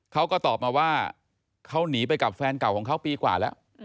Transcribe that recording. เขาก็ตอบมาว่าเขาหนีไปกับแฟนเก่าของเขาปีกว่าแล้ว